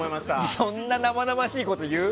そんな生々しいこと言う？